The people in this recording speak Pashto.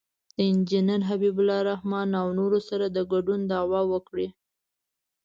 د انجینر حبیب الرحمن او نورو سره د ګډون دعوه وکړي.